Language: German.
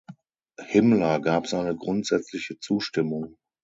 Himmler gab seine grundsätzliche Zustimmung.